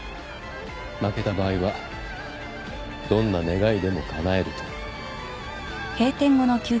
負けた場合はどんな願いでもかなえると。